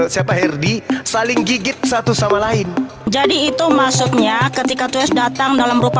siapa herdy saling gigit satu sama lain jadi itu maksudnya ketika ts datang dalam